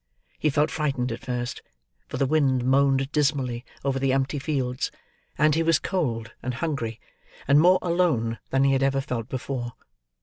He felt frightened at first, for the wind moaned dismally over the empty fields: and he was cold and hungry, and more alone than he had ever felt before.